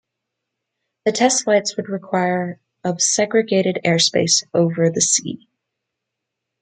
The test flights would require of segregated airspace over the sea.